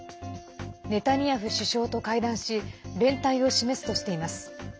ネタニヤフ首相と会談し連帯を示すとしています。